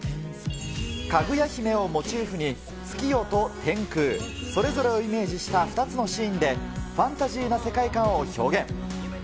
かぐや姫をモチーフに月夜と天空、それぞれをイメージした２つのシーンでファンタジーな世界観を表現。